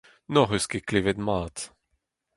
n’hoc’h eus ket klevet mat.